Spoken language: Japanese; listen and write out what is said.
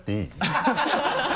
ハハハ